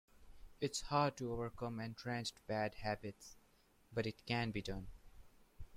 It's hard to overcome entrenched bad habits, but it can be done.